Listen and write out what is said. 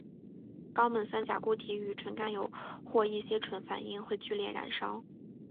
高锰酸钾固体与纯甘油或一些醇反应会剧烈燃烧。